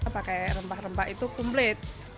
pakai rempah rempah itu kumplit